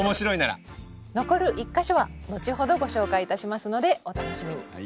残る１か所は後ほどご紹介いたしますのでお楽しみに。